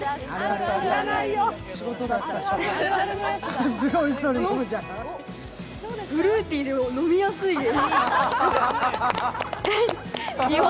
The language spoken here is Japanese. おっ、フルーティーで飲みやすいです。